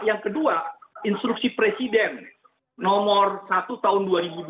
yang kedua instruksi presiden nomor satu tahun dua ribu dua puluh